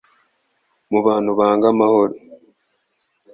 mu bantu banga amahoro